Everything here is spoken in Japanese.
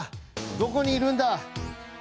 どこにいるんだ！！」